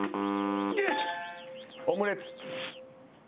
オムレツ。